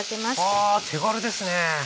あ手軽ですね。